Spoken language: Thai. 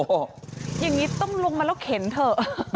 อย่างนี้ต้องลงมาแล้วเข็นเถอะ